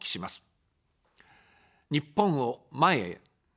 日本を、前へ。